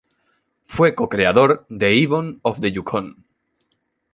Fue co-creador de Yvon of the Yukon.